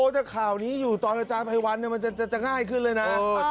ในข่านี้อยู่ด้านอาจารย์ไผวรก็ง่ายขึ้นเลยนะ